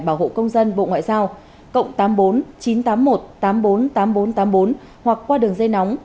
bảo hộ công dân bộ ngoại giao cộng tám mươi bốn chín trăm tám mươi một tám trăm bốn mươi tám nghìn bốn trăm tám mươi bốn hoặc qua đường dây nóng